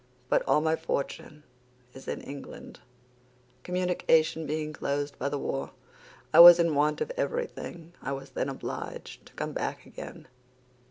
But all my fortune is in England. Communication being closed by the war, I was in want of everything. I was then obliged to come back again.